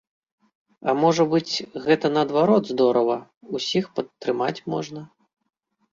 А можа быць, гэта наадварот здорава, усіх падтрымаць можна?